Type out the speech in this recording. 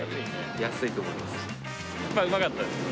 やっぱりうまかったですね。